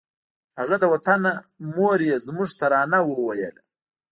هغه د وطنه مور یې زموږ ترانه وویله